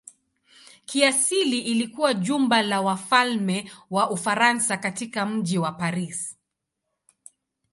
Kiasili ilikuwa jumba la wafalme wa Ufaransa katika mji wa Paris.